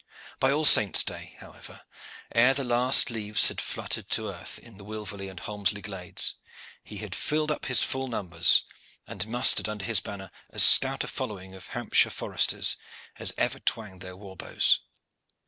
By All Saints' day, however ere the last leaves had fluttered to earth in the Wilverley and Holmesley glades, he had filled up his full numbers, and mustered under his banner as stout a following of Hampshire foresters as ever twanged their war bows.